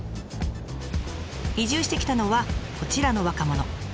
移住してきたのはこちらの若者。